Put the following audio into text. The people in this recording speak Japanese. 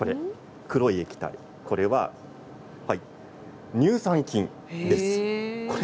黒い液体、これは乳酸菌です。